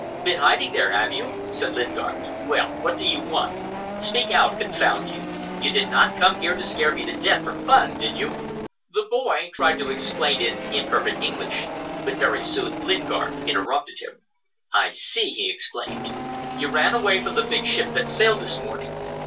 "Been hiding there, have you?" said Lingard. "Well, what do you want? Speak out, confound you. You did not come here to scare me to death, for fun, did you?" The boy tried to explain in imperfect English, but very soon Lingard interrupted him. "I see," he exclaimed, "you ran away from the big ship that sailed this morning.